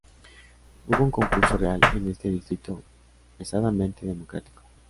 Hubo un concurso real en este distrito pesadamente Democrático.